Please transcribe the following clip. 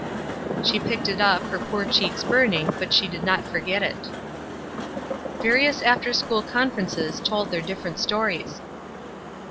She picked it up, her poor cheeks burning, but she did not forget it. Various after school conferences told their different stories.